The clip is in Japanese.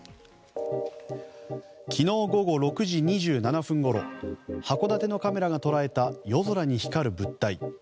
昨日午後６時２７分ごろ函館のカメラが捉えた夜空に光る物体。